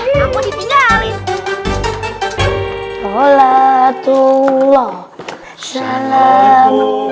ya aku ditinggalin